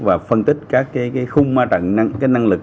và phân tích các khung năng lực